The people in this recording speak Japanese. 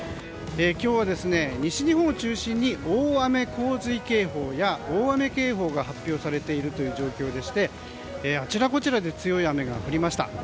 今日は、西日本を中心に大雨・洪水警報や大雨警報が発表されているという状況でしてあちらこちらで強い雨が降りました。